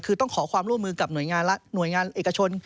คือต้องขอความร่วมมือกับหน่วยงานเอกชน